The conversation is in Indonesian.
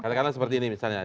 katakanlah seperti ini misalnya